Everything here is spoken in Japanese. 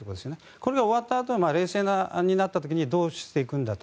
これが終わったあと冷静になった時にどうしていくんだと。